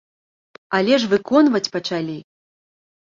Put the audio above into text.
Але ж выконваць пачалі!